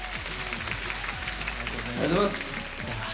ありがとうございます。